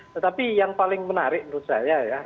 tetapi yang paling menarik menurut saya ya